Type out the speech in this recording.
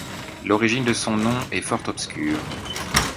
L'origine de son nom est fort obscure.